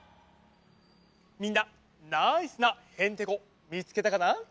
みんなナイスなヘンテコみつけたかな？